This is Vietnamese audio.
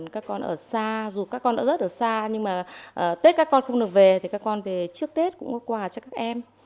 các con ở xa dù các con đã rất ở xa nhưng mà tết các con không được về thì các con về trước tết cũng có quà cho các em